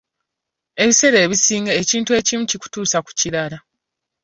Ebiseera ebisinga ekintu ekimu kikutuusa ku kirala.